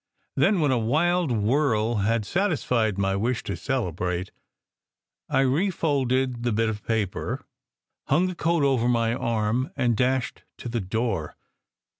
Then, when a wild whirl had satisfied my wish to celebrate, I refolded the bit of paper, hung the coat over my arm, and dashed to the door.